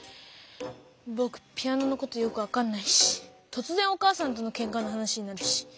ぼくピアノのことよく分かんないしとつぜんお母さんとのけんかの話になるし。